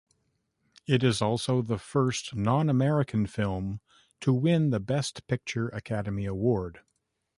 It is also the first non-American film to win the Best Picture Academy Award.